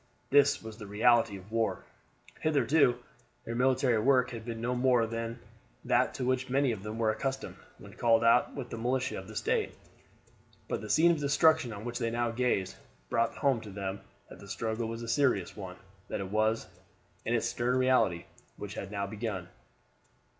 This was the reality of war. Hitherto their military work had been no more than that to which many of them were accustomed when called out with the militia of their State; but the scene of destruction on which they now gazed brought home to them that the struggle was a serious one that it was war in its stern reality which had now begun.